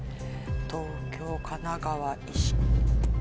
東京神奈川石。